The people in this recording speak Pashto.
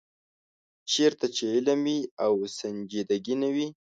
چېرته چې علم وي او سنجیدګي نه وي.